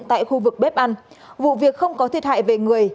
tại khu vực bếp ăn vụ việc không có thiệt hại về người